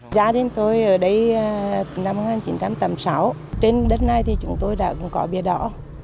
gia đình tôi ở đây năm một nghìn chín trăm tám mươi sáu trên đất này thì chúng tôi đã có bia đỏ